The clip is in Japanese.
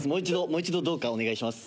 もう一度どうかお願いします。